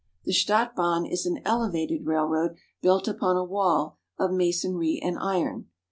The Stadtbahn is an elevated railroad built upon a wall of masonry and iron.